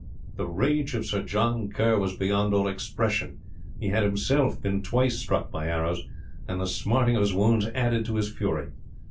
The rage of Sir John Kerr was beyond all expression. He had himself been twice struck by arrows, and the smart of his wounds added to his fury.